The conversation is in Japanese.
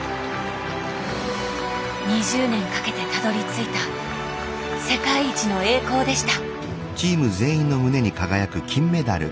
２０年かけてたどりついた世界一の栄光でした。